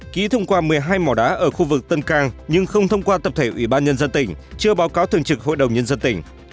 ký thông qua một mươi hai mỏ đá ở khu vực tân càng nhưng không thông qua tập thể ủy ban nhân dân tỉnh chưa báo cáo thường trực hội đồng nhân dân tỉnh